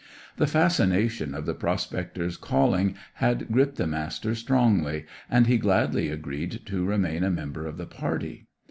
The fascination of the prospector's calling had gripped the Master strongly, and he gladly agreed to remain a member of the party.